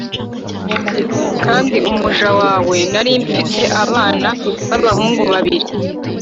Kandi umuja wawe nari mfite abana b’abahungu babiri